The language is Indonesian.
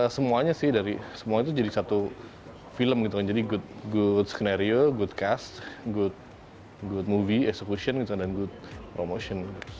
semuanya sih dari semua itu jadi satu film jadi good scenario good cast good movie execution dan good promotion